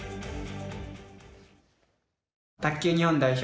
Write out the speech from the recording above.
卓球日本代表